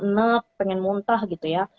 nek pengen muntah gitu ya